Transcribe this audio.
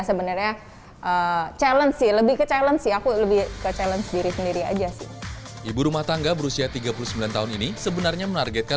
sebenarnya menargetkan mencapai kemampuan